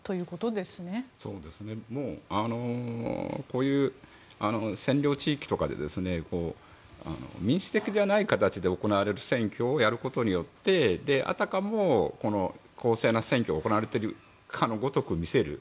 こういう占領地域とかで民主的じゃない形で行われる選挙をやることであたかも、公正な選挙が行われているかのごとく見せる。